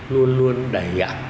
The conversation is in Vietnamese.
luôn luôn đầy gặp